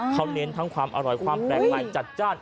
เขาเน้นทั้งความอร่อยความแปลกใหม่จัดจ้าน